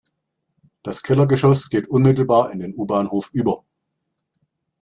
Das Kellergeschoss geht unmittelbar in den U-Bahnhof über.